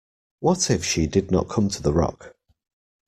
What if she did not come to the rock.